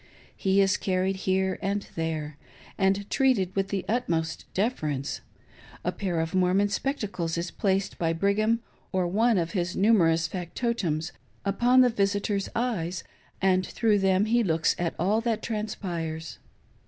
He is carried here and there, and treated with the utmost deference ; a pair of Mor mon spectacles is placed by Brigham, or one of his numerous factotums, upon the visitor's eyes, and through them he looks at all that transpires.